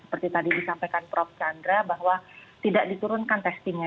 seperti tadi disampaikan prof chandra bahwa tidak diturunkan testingnya